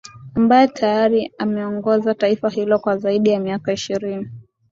ambaye tayari ameongoza taifa hilo kwa zaidi ya miaka ishirini